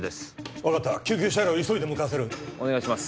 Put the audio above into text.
分かった救急車両を急いで向かわせるお願いします